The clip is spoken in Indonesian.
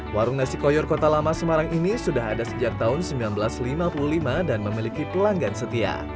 warung nasi koyor kota lama semarang ini sudah ada sejak tahun seribu sembilan ratus lima puluh lima dan memiliki pelanggan setia